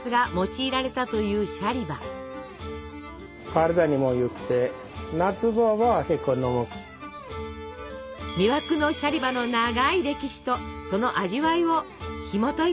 魅惑のシャリバの長い歴史とその味わいをひもといてみましょう！